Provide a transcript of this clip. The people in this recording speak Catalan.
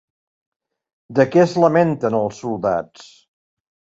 De què es lamenten els soldats?